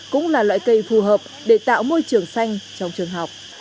cũng là loại cây phù hợp để tạo môi trường xanh trong trường học